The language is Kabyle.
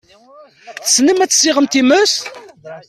Tessnem ad tessiɣem times?